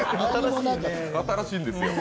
新しいんですよ。